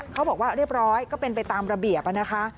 เขาบอกว่าเรียบร้อยก็เป็นไปตามระเบียบนะคะ